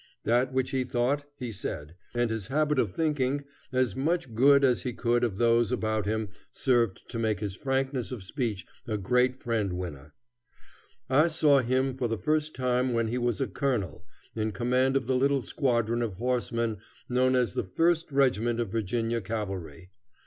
That which he thought, he said, and his habit of thinking as much good as he could of those about him served to make his frankness of speech a great friend winner. I saw him for the first time when he was a colonel, in command of the little squadron of horsemen known as the first regiment of Virginia cavalry.